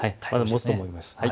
もつと思います。